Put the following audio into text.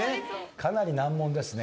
かなり難問ですね。